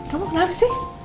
kamu kenapa sih